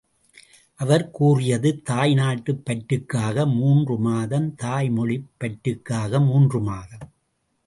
அவர் கூறியது தாய் நாட்டுப் பற்றுக்காக மூன்று மாதம், தாய் மொழிப் பற்றுக்காக மூன்று மாதம்.